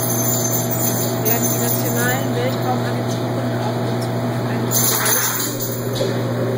Werden die nationalen Weltraumagenturen auch in Zukunft eine wichtige Rolle spielen?